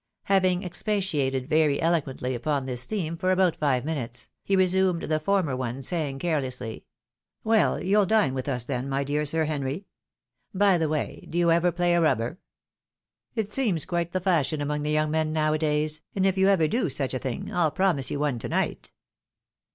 Having expatiated very eloquently upon this theme for about five minutes, he resumed the former one, saying, carelessly, " Well, you'll dine with us then, my dear Sir Henry ? By the way, do you ever play a rubber ? It seems quite the fashion among the yoimg men now a days, and if you ever do such a thing, I'U promise you one to night."